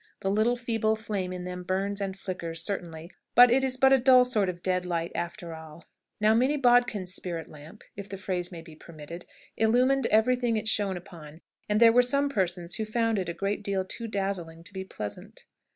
The little feeble flame in them burns and flickers, certainly, but it is but a dull sort of dead light after all. Now Minnie Bodkin's spirit lamp, if the phrase may be permitted, illumined everything it shone upon, and there were some persons who found it a great deal too dazzling to be pleasant.